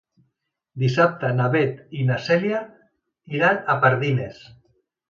Dissabte na Beth i na Cèlia iran a Pardines.